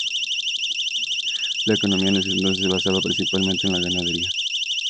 La economía en ese entonces se basaba principalmente en la ganadería.